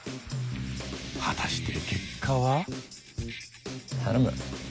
果たして結果は？